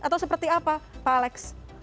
atau seperti apa pak alex